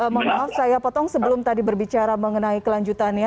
mohon maaf saya potong sebelum tadi berbicara mengenai kelanjutannya